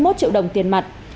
năm mươi một triệu đồng tiền mặt